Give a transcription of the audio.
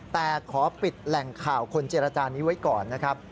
แต่ขอปิดแหล่งข่าวคนเจรจานี้ไว้ก่อนนะครับ